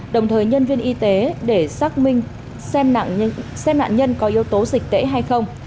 đồng thời nhân viên y tế để xác minh xem nạn nhân có yếu tố dịch tễ hay không